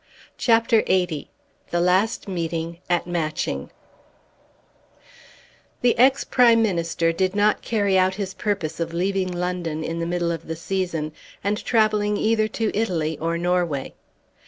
CHAPTER LXXX The Last Meeting at Matching The ex Prime Minister did not carry out his purpose of leaving London in the middle of the season and travelling either to Italy or Norway.